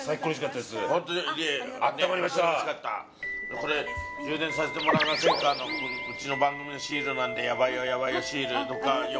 これ「充電させてもらえませんか？」のうちの番組のシールなんでやばいよ